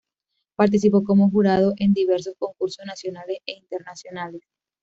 Participó como jurado en diversos concursos nacionales e internacionales.